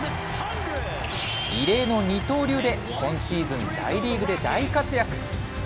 異例の二刀流で今シーズン、大リーグで大活躍。